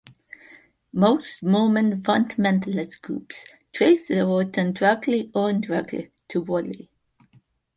Most Mormon fundamentalist groups trace their origin directly or indirectly to Woolley.